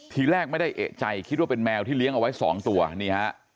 ทีแรกไม่ได้เอกใจคิดว่าเป็นแมวที่เลี้ยงเอาไว้สองตัวนี่ฮะ